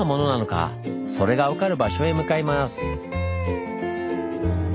それが分かる場所へ向かいます。